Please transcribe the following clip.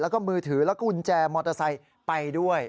แล้วก็มือถือและกุญแจมอเตอร์ไซค์ไปด้วย